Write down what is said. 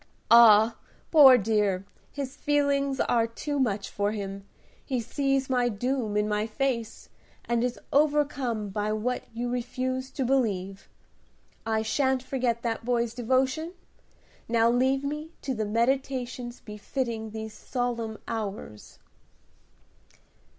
"Ah! poor dear, his feelings are too much for him. He sees my doom in my face, and is overcome by what you refuse to believe. I shan't forget that boy's devotion. Now leave me to the meditations befitting these solemn hours."